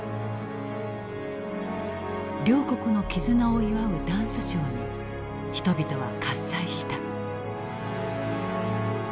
両国の絆を祝うダンスショーに人々は喝采した。